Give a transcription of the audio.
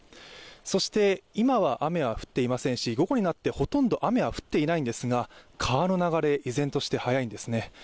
そして、今は雨は降っていませんし午後になってほとんど雨は降っていないんですが川の流れ、依然として速いんですね。